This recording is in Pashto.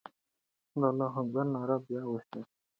د الله اکبر ناره به بیا وسي.